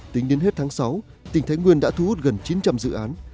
tính đến hết tháng sáu tỉnh thái nguyên đã thu hút gần chín trăm linh dự án